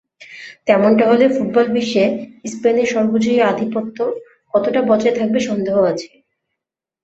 তেমনটা হলে ফুটবল বিশ্বে স্পেনের সর্বজয়ী আধিপত্য কতটা বজায় থাকবে সন্দেহ আছে।